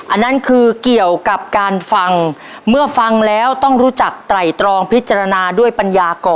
อันนั้นคือเกี่ยวกับการฟังเมื่อฟังแล้วต้องรู้จักไตรตรองพิจารณาด้วยปัญญาก่อน